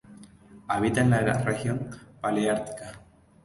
Habita en la Región paleártica.